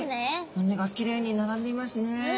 骨がきれいに並んでいますね。